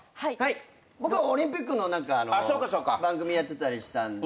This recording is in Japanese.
僕はオリンピックの番組やってたりしたんで。